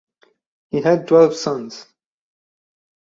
He had twelve sons.